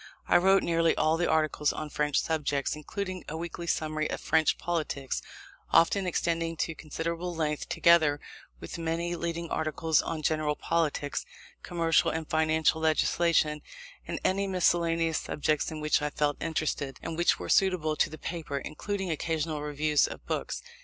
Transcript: I wrote nearly all the articles on French subjects, including a weekly summary of French politics, often extending to considerable length; together with many leading articles on general politics, commercial and financial legislation, and any miscellaneous subjects in which I felt interested, and which were suitable to the paper, including occasional reviews of books.